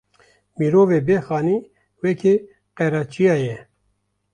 Mirovê bê xanî weka qereçiya ye